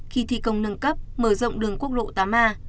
khi thi công nâng cấp mở rộng đường quốc lộ tám a